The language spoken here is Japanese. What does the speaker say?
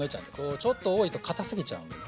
ちょっと多いとかたすぎちゃうんだよね。